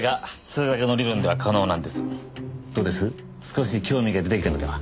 少し興味が出てきたのでは？